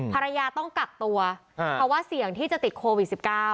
ภรรยาต้องกักตัวเพราะว่าเสี่ยงที่จะติดโควิด๑๙